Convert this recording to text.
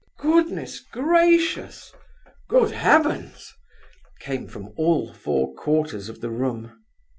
"Goodness gracious! good heavens!" came from all quarters of the room.